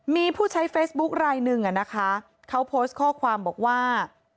มีผู้ใช้เฟซบุ๊คลายหนึ่งอ่ะนะคะเขาโพสต์ข้อความบอกว่า